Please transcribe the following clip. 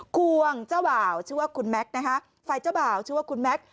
ควงเจ้าบ่าวชื่อว่าคุณแม็กซ์นะคะฝ่ายเจ้าบ่าวชื่อว่าคุณแม็กซ์